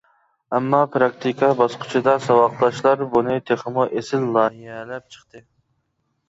ئەمما پىراكتىكا باسقۇچىدا ساۋاقداشلار بۇنى تېخىمۇ ئېسىل لايىھەلەپ چىقتى.